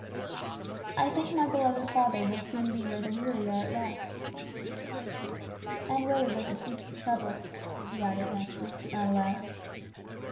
"I think my beloved father will soon be where the weary are at rest" "and where the wicked cease from troubling," he added mentally, not aloud.